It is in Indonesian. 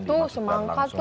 tuh semangka tuh